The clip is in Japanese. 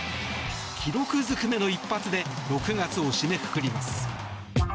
記録ずくめの一発で６月を締めくくります。